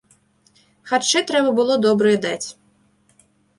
Харчы трэба было добрыя даць.